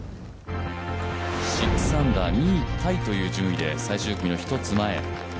６アンダー、２位タイという順位で最終組の１つ前。